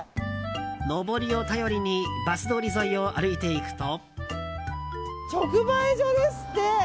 のぼりを頼りにバス通り沿いを歩いていくと。